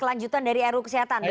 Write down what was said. kelanjutan dari ru kesehatan begitu